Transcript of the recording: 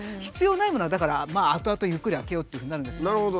必要ないものはだからあとあとゆっくり開けようっていうふうになる。